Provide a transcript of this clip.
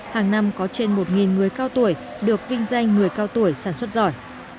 hàng năm có trên một người cao tuổi được vinh danh người cao tuổi sản xuất giỏi